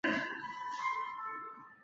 早已知道必有相似之处